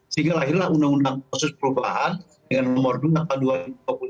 sehingga lahirlah undang undang khusus perubahan dengan nomor dua tahun dua ribu dua puluh satu